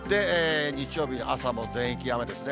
日曜日、朝も全域、雨ですね。